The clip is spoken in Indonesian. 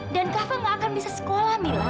dan kava gak akan bisa sekolah mila